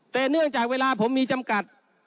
แต่เนื่องจากเวลาผมมีจำกัด